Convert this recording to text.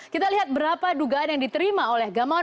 kita lihat berapa dugaan yang diterima oleh gamawan